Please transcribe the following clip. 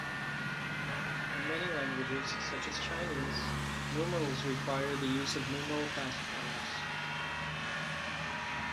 In many languages, such as Chinese, numerals require the use of numeral classifiers.